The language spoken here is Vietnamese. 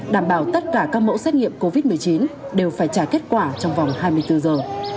đảm bảo tất cả các mẫu xét nghiệm covid một mươi chín đều phải trả kết quả trong vòng hai mươi bốn giờ